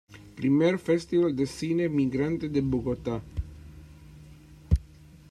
I Festival de Cine Migrante de Bogotá.